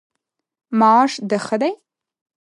معاش د ښه دی؟